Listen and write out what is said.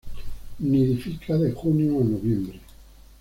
Nidifica de junio a noviembre.